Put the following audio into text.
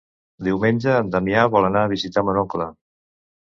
Diumenge en Damià vol anar a visitar mon oncle.